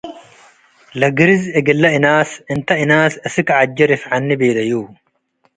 ለግርዝ እግለ እናስ፣ “እንተ እናስ አስክ ዐጄ ርፍዐኒ” ቤለዩ።